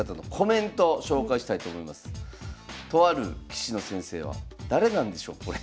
とある棋士の先生は誰なんでしょうこれ。